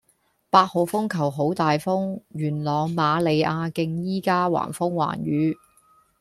八號風球好大風，元朗瑪利亞徑依家橫風橫雨